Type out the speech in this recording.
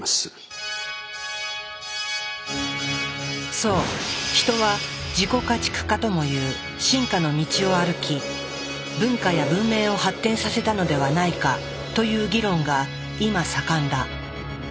そうヒトは「自己家畜化」ともいう進化の道を歩き文化や文明を発展させたのではないかという議論が今盛んだ。